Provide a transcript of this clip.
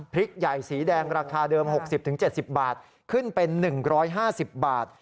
พริกใหญ่สีแดงราคาเดิม๖๐๗๐บาทขึ้นเป็น๑๕๐บาท